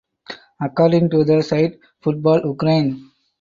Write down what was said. According to the site Football Ukraine.